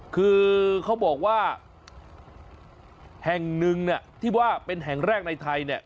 คือเขาบอกว่าแห่งหนึ่งเนี่ยที่ว่าเป็นแห่งแรกในไทยเนี่ย